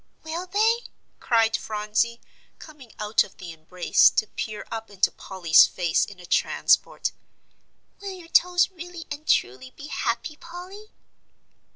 "Will they?" cried Phronsie, coming out of the embrace to peer up into Polly's face, in a transport. "Will your toes really and truly be happy, Polly?"